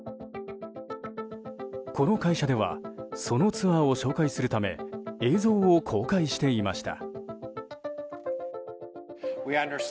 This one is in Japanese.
この会社ではそのツアーを紹介するため映像を公開していました。